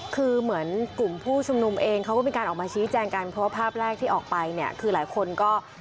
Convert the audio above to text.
คือเหมือนกลุ่มผู้ชุมนุมเองเขาก็มีการออกมาชี้แจงกันเพราะว่าภาพแรกที่ออกไปเนี่ยคือหลายคนก็